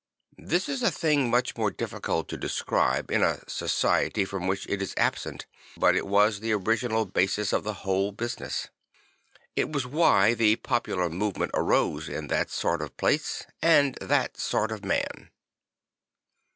This is a thing much more difficult to describe, in a society from which it is absent, but it was the original basis of the \vhole business; it was why the popular movement arose in that sort of place and that sort of man.